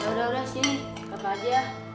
yaudah yaudah sini kakak aja